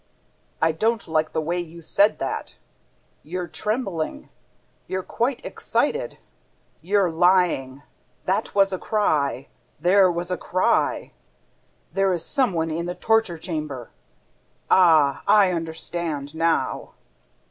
"I don't like the way you said that! ... You're trembling... You're quite excited ... You're lying! ... That was a cry, there was a cry! ... There is some one in the torture chamber! ... Ah, I understand now!"